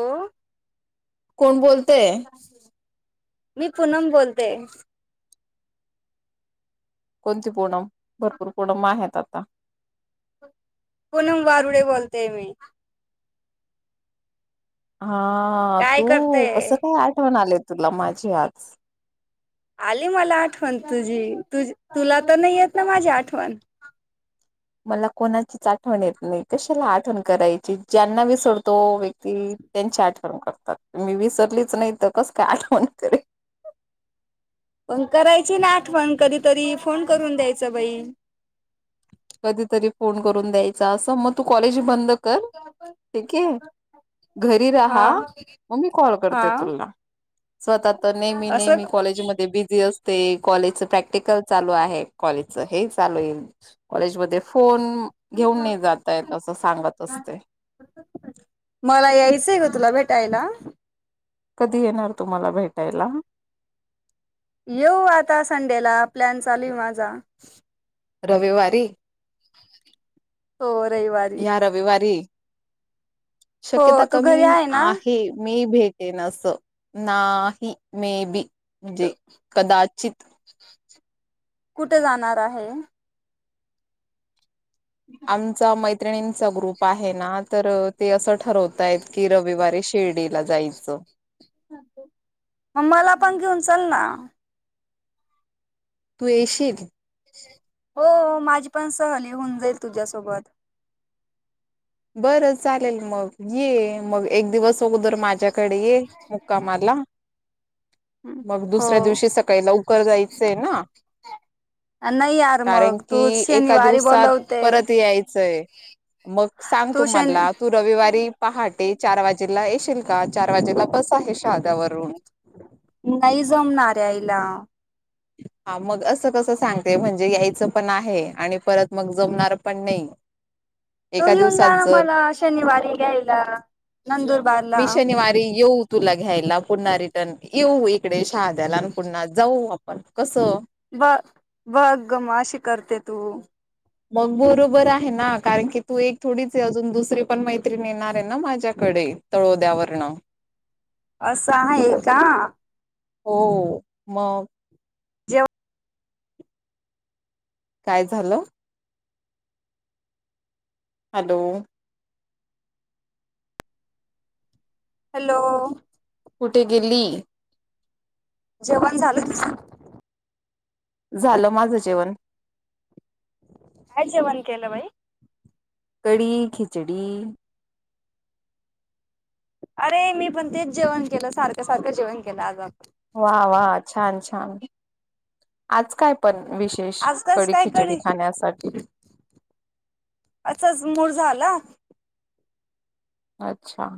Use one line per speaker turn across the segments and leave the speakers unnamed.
हो
कोण बोलतय
मी पुनम बोलतेय
कोणती पूनम भरपूर पुनम आहेत आता.
पुनम गारुडे बोलते मी
हा
काय
तू
करते
कस काय आठवण आले. तुला माझी आज-
आली मला आठवण तुझी तु तुला तर नाही येत ना माझी आठवण.
मला कोणाचीच आठवण येत नाही? कशाला आठवण करायची ज्यांना विसरतो व्यक्ती त्यांची आठवण करतात मी विसरलीच नाही तर कस काय आठवण करेल.
पण करायची ना आठवण कधीतरी फोन करून द्यायच बाई.
कधीतरी फोन करून द्यायचा असं मग तू कॉलेज बंद. ठीक आहे घरी
हा
राहा मग मी कॉल करते
हा
तुला स्वतः तर नेहमी
असं
नेहमी कॉलेज मध्ये बिझी असते. ते कॉलेजच प्रॅक्टिकल चालू आहे कॉलेजच हे चालू येईल. कॉलेजमध्ये फोन घेऊन नाही जात अस सांगत असते.
मला यायचंय [unintelligible]
कधी येणार तुम्हाला भेटायला
येऊ आता संडेला प्लॅन चालू माझा
रविवारी
हो रहिवारी
या रविवारी शक्यता कमी
घरी ना
आहे मे भेटेन अस नाही मे बी जी कदाच चित
कुठे जाणार आहे
आमचा मै मैत्रिणींचा ग्रुप आहे ना तर ते असं ठरवताय की रविवारी शिर्डीला जायचं
म मला पण घेऊन चाल ना
तू येशील
हो माझी पण सहली होन जाईल तुझ्यासोबत
बरं चालेल मग ये मग एक दिवस अगोदर माझ्याकडे ये मुक्कामाला मग
हो
दुसऱ्या दिवशी सकाळी लवकर जायचंय ना
नाही यार
कारण
मग
की
तू
एका
शनिवारी
दिवसात
बोलवते
परत यायचंय मग सांग
तू शनि
तुम्हाला तू रविवारी पहाटे चार वाजेला येशील का चार वाजेला बस आहे शहाद्यावरून
नाही जमणार यायला
हा मग असं कसं सांगते म्हणजे यायचं पण आहे आणि परत मग जमणार पण नै
तो येऊन जा ना मला शनिवारी घ्यायला नंदुरबारला
मी शनिवारी येऊ तुला घ्यायला पुन्हा रिटर्न येऊ एक तीकडे शहाद्याला पुन्हा जाऊ पण कसं
ब बग्ग मशी करते तू
मग बरोबर आहे ना कारण की तू एक थोडीच अजून दुसरी पण मैत्रीणी येणार आहे ना माझ्याकडे तळोद्यावरन
असं आहे का
हो मग
जेव
काय झालं हॅलो
हॅलो
कुठे गेली
जेवाण झालं तुझं
झालं माझं जेवण
का जवण केला बई
कडी खिचडी
अरे मी पण तेच जेवण केलं सारखं सारखं जेवण केलं आज आपण
वा वा छान छान आज काय पण विशेष
आजकालच
कडी खिचडी
कायकडे
खाण्यासाठी
आताच मूर झाला
अच्छा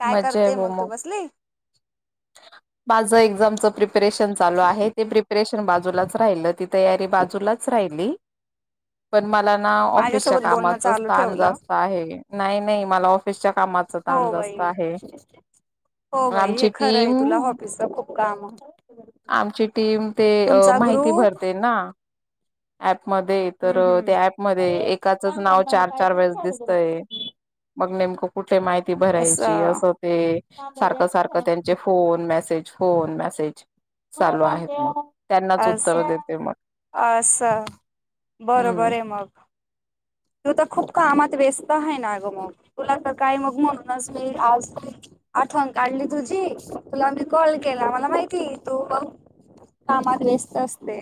काय
मज्जा आहे
करते
ब
मग तू बसली
माझं एक्झामच प्रिपेरेशन चालू आहे ते प्रिपरेश [unintelligible] मला ना ऑफिसच्या
माझ्यासोबत बोलणं
कामाच
चालू
स्थान
ठेवलं
जात आहे नाही मला िच्या काच ताण
हो बाई
जास्त आहे
हो बाई
आमची
हे खरं
टीम
आहे तुला ऑफिसच खूप काम
आमची टीम ते
तुमचा
माहिती
ग्रुप
भरते ना अच म तर
हम्म हम्म
त्या ऍपमध्ये एकाचच नाव चार चार वेळेस दिसतय मग नेम क माहिती भरायची असं ते सारख सारख त्यांचे फोन मेसेज फोन म्यासेज.
आस
उत्तर देते मग
असा
हम्म
बरोबर आहे मग. तू त खूप कामात व्यस्त हाहे ना ग म तुला त काय मग म्हणूनच मी आज आठवण काढली तुझी तुला मी कॉल केला मला माहिती तू कामात व्यस्त असते.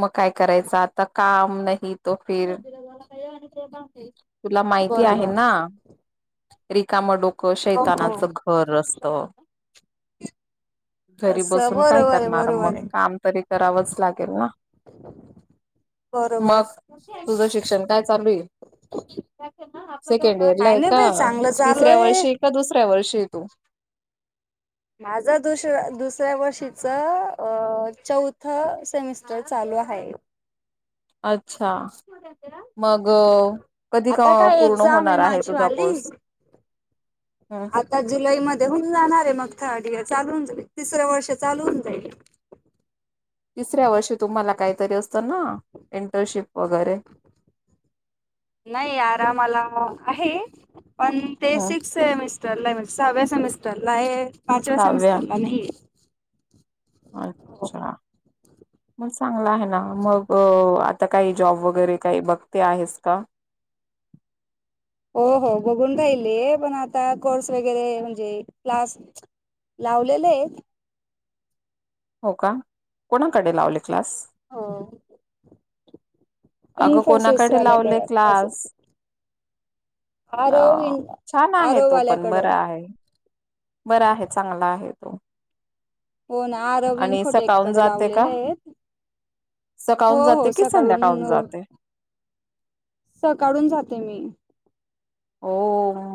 मग काय करायचं आता काम नही
तर बिरा मला [unintelligible] काय आणि तेबा
तुला माहिती आहे ना? रिकामडो क
हो हो
शैतानाचं घर असत. घरी
असं
बसून काय
बरोबर आहे
करणार मग
बरोबर आहे
काम तरी करावंच लागेल ना.
बरोबर
मग तुझं शिक्षण काय चालूये? सेकंड इयर ला
काय
आहे
नाही
का
बाई चांगलं चालू
तिसऱ्या
आहे
वर्षी ये का दुसऱ्या वर्षी आहे तू?
माझं दुस दुसऱ्या वर्षीच अ चौथं सेमिस्टर चालू हाये.
अच्छा मग कधी
आता काय
पूर्ण
एक्झाम आहे
होणार
माझी
तुझा
वाली
कोर्स? ह
आता जुलै मध्ये होऊन जाणार आहे मग. त्या आधी चालून तिसऱ्या वर्ष चालूून जाईल.
तिसऱ्या वर्षी तुम्हाला काहीतरी असतं ना इंटर्नशिप वगैरे?
नाही आरामाला आहे. पन ते
ह
सिक्स म सरला आहे म्हणजे सहाव्या सेमिस्टरलाये. पाचव्या
सहाव्या
सेमीस्टरला नाहीये. [unintelligible] हो
अच्छा मग चांगला आहे ना मग अ आता काही जॉब वगैरे काही बघते आहेस का?
हो हो बघून राहिलेय पण आता कोर्स वगैरे म्हणजे क्लास लावलेलेय.
हो का, कोणाकडे लावले क्लास?
हो.
अगं
इन्फोसिस
कोणाकडे लावले
वाल्याकडे असं
क्लास? अ
आरव इन
छान आहे
आरव
तो पण
वाल्याकडं
बरा आहे. बरा आहे चांगला आहे तो.
हो ना आ रवीन
आणि सकाळून
फुटेककड
जाते का?
लावलेलेयेत, हो
सकाळून जाते
हो
की
सकाळून
संध्याकाळून जाते?
सकाळून जाते मी.
हो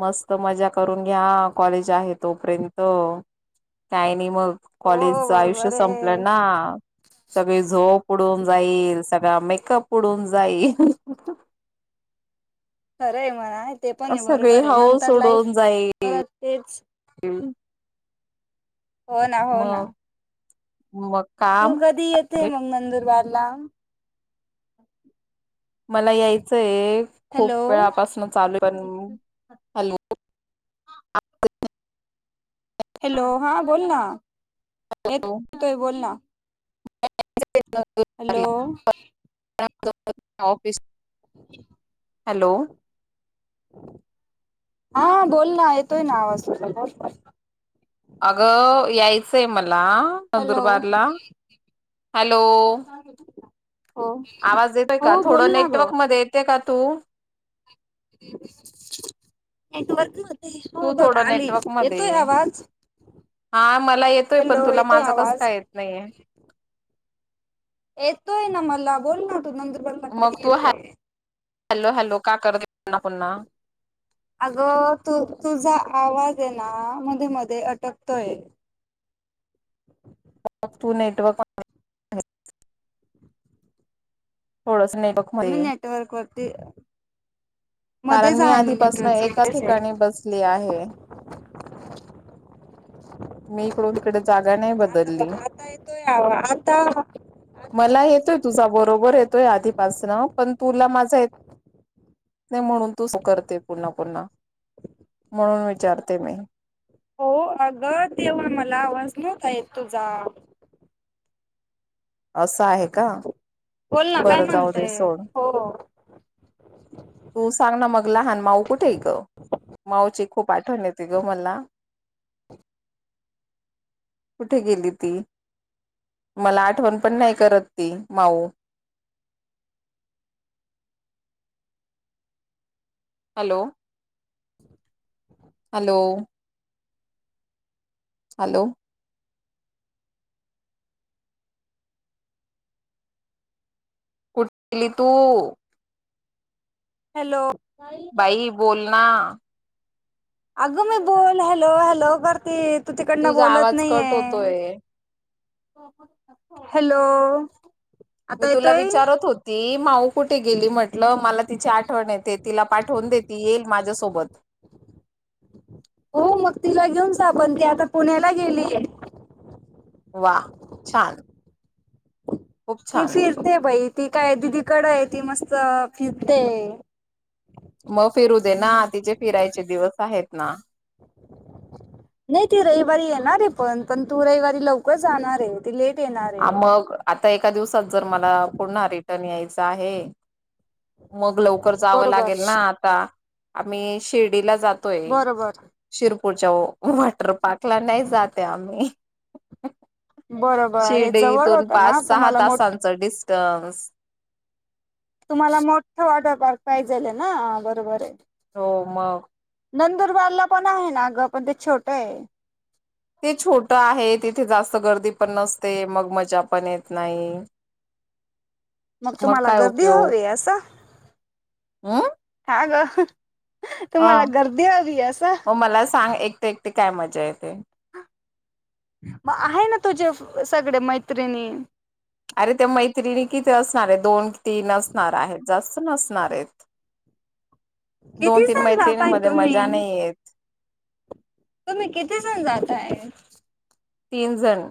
मस्त मजा करून घ्या, कॉलेज आहे तोपर्यंत, काय नाही मग.
हो
कॉलेजच आयुष्य
बरोबर
संपलं
आहे
ना, सगळी झोप उडून जाईल, सगळा मेकअप उडून जाईल.
खरय. ते पणय
सगळी
बरोबरय
हौस
नंतर लाईफ परत तेच
हम्म.
हो ना हो ना.
मग
तू
काम
कधी येते मंग नंदूरबार ला.
मला यायचंय.
हॅलो
खूप वेळापासन चालू पण. हॅलो. [unintelligible]
हॅलो हा बोल ना. तोय बोल ना.
[unintelligible]
हॅलो.
[unintelligible] Office hello.
हा बोल ना येतोय ना आवाज तुझा बोल.
अगं यायचंय मला
हॅलो
नंदुरबारला, हॅलो.
हो
आवाज येतोय का?
हो
थोडं
बोल ना ग
नेटवर्कमध्ये येते का? तू.
[unintelligible] नेटवर्क मध्ये. हा
तू
बघ
थोडं
आली
नेटवर्क मध्ये
येतोय
ये.
आवाज
हा मला येतोय पण
हॅलो
तुला
येतोय
माझं कस
आवाज
का येत नाही आहे.
यतोय नमला बोल ना तू नंदु
मग तू हा हॅलो हॅलो का कर
अगं तू तुझ आवाज येना मध्ये मध्ये अटकतोय.
मग तू नेटव [inaudible] हो. [inaudible]
नेटवर्क ते
कारण मी आधीपासून एकाच
मध्येच
ठिकाणी
आहे
बसली आहे.
[unintelligible] आता
मी इकडून तिकडे जागा नाही
बघ
बदलली
आता येतोय आता [inaudible]
मला
आवाज
येतोय तुझा
मला
बरोबर येतोय आधीपासनं. पण तुला माझं ये नाही म्हणून तू करते पुन्हा, पुन्हा म्हणून विचारते मी.
हो अगं तेव्हा मला आवाज नवता येत तुझा.
असं आहे का
बोल ना काय
बरं जाऊ दे
म्हणते
सोड
हो
तू सांग ना मग लहान माऊ कुठे ग माऊची खूप आठवण येते ग मला कुठे गेली ती मला आठवण पण नाही करत ती माऊ हॅलो हॅलो हॅलो कुठली तू
हॅलो
भाई बोल ना हा
अगं मी बोल हॅलो हॅलो करत
तुझा आवाज कट होतोय
हॅलो
मी
आता
तुला
येतोय
विचारत होती माऊ कुठे गेली म्हटलं मला तिची आठवण आहेेत तिला पाठवून देत ती येईल माझ्यासोबत
हो मग तिला घेऊन जा आपण ती आता पुण्याला गेलीय
वा छान खूप
ते
छान
फिरते भाई ती काय दीदी कड आहे ती मस्त फिरतेय
मग फिरू दे ना तिचे फिरायचे दिवस आहेत ना.
नाही ते रविवारी येणार आहे पण पण तू रविवारी लवकर जाणार आहे ती लेट येणार
आ
आहे
मग आत ता एका दिवसात जर मला पुन्हा रिटर्न यायच आहे. मग लवकर जावं
बरोबर
लागेल ना आता. आम्ही शिर् डीला जातोय
बरोबर
शिर पुढच्या वॉटर पार्क ला नाही जाते आम्ही.
बरोबर हे जवळ
शिर्डीतून
होतं
पाच
ना
सहा
तुम्हाला मोठ
तासांच डिस्टन्स
तुम्हाला मोठं वॉटर पार्क पाहिजेले ना बरोबर ये.
हो म.
नंदुरबारला पण आहे ना गं पण ते छोट ये.
तथे जास्त गर्दी पण नसते मग मजा पण येत नाही.
मग तुम्हाला
काय
गर्दी
उपयोग
हवी असं
हम्
हा ग. ह. तुम्हाला गर्दी हवी असं.
ते एकट काय मजा येते.
मग आहे ना तुझे सगळे मैत्रिणी
अरे ते मैत्रिणी किती असणारे दोन तीन असणार आहे जास्ती नसणारेत.
किती
दोन- तीन
जण
मैत्रिणी
जाताय
मध्ये
तुम्ही
मजा नाही येत.
तुम्ही किती जण जाताये?
तीनजण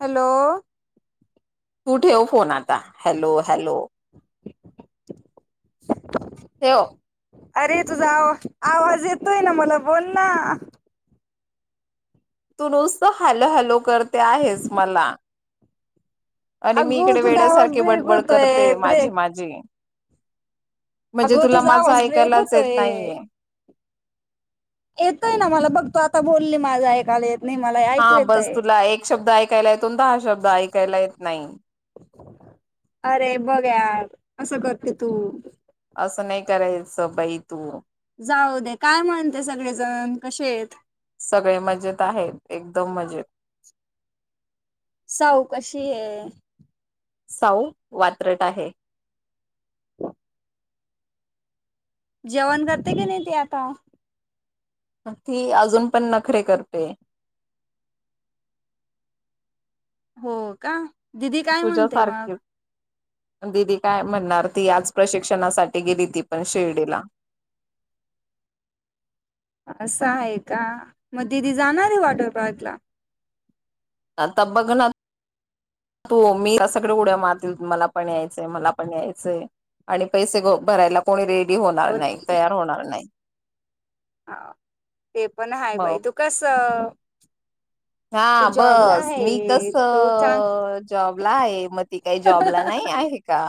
हॅलो.
तू ठेव फोन आता हॅलो हॅलो ठेव.
अरे तुझा आवा आवाज येतोय ना मला बोल ना
तू नुसत हॅलो हॅलो करत ते आहेस मला आणि मी
अगो
इकडे
तुझा आवाज
वेड्यासारखे
ब्रेक
बडबड
होतोय
करते माझी
ब्रेक
माझी म्हणजे
अगो
तुला
तुझा
माझं
आवाज ब्रेक
ऐकायलाच येत
होतोय
नाहीये
येतोय ना मला बघ तू आता बोलली माझा ऐकाला येत नाही मला ऐकू
हा बस
येतंय
तुला एक शब्द ऐकायला येतो दहा शब्द ऐकायला येत नाही.
अरे बघ यार असं करते तू
असं नाही करायचं बाई तू
जाऊ दे, काय म्हणते, सगळेजण कसे आहेत?
सगळे मजेत आहेत एकदम मजेत
साऊ कशी ये?
सावु वात्रट आहे.
जेवण करते की, नाही ती आता.
ती अजून पण नखरे करते.
हो का? दिदी काय
तुझ्या
म्हणते
सारखी
मग?
दिदी काय म्हणणार, ती आच प्रशिक्षणासाठी गेली ती पण शिर्डीला
असं आहे का मग ती जाणार आहे वाॉटरपार्क ला?
आता बघ ना तू, मी सगळे उड्या मारतील मला पण यायचंय मला पण यायचंय, आणि पैसे भरायला कोणी रे डी होणार
हो,
नाही, तयार होणार नाही.
हा, ते पण हा
हो
बाई तु कस.
हा
तू जॉबला
बस मी कस
आहे तू चांग
जॉबला आहे, मग ती काय जॉबला नाही आहे का?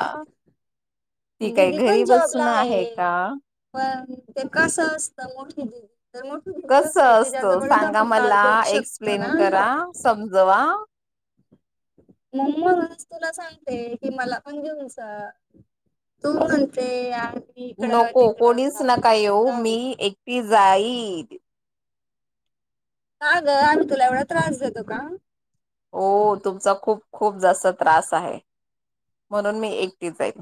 ती काही
दिदी
घरी
पण जॉबला
बसून आहे का?
पण ते कसं असतं मोठी दि
कस असतं सांगा,
लाज
मला
करू शकतो
एक्सप्लेन
ना
करा समजवा.
म्हणूनच तुला सांगते कि, मला पण घेऊन जा, तू म्हणते. इकडं
नको
तिकडं
कोणीच
जाऊ
नका येऊ मी
जाऊ
एकटी जाईद.
का ग आम्ही तुला एवढा त्रास देतो का?
हो तुमचा खूप खूप जास्त त्रास आहे. म्हणून मी एकटी जाईन.